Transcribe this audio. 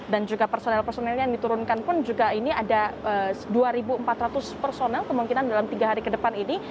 dan juga personel personel yang diturunkan pun juga ini ada dua empat ratus personel kemungkinan dalam tiga hari ke depan ini